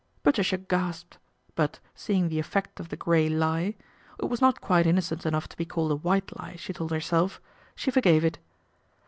Patricia gasped ; but, seeing the effect of the n " grey lie " (it was not quite innocent enough ? to be called a white lie, she told herself) she for gave it.